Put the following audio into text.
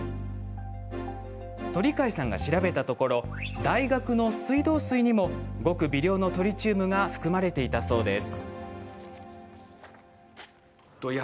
鳥養さんが調べたところ大学の水道水にもごく微量のトリチウムが含まれていたそうです。